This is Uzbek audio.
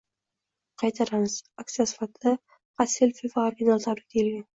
Qaytaramiz, aksiya shartida faqat selfi va origonal tabrik deyilgan.